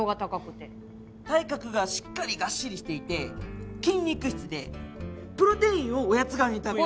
体格がしっかりガッシリしていて筋肉質でプロテインをおやつ代わりに食べる。